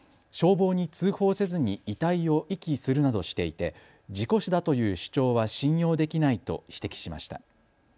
消防に通報せずに遺体を遺棄するなどしていて事故死だという主張は信用できないと指摘しました。